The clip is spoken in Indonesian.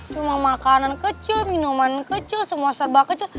cuma makanan kecil minuman kecil semua serba kecil